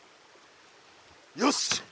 よし！